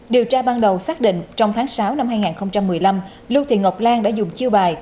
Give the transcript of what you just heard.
điều tra ban đầu xác định trong tháng sáu năm hai nghìn một mươi năm lưu thị ngọc lan đã dùng chiêu bài